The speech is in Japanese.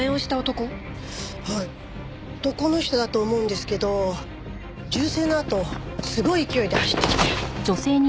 男の人だと思うんですけど銃声のあとすごい勢いで走ってきて。